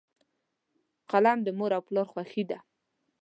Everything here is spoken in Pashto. قلم د مور او پلار خوښي ده.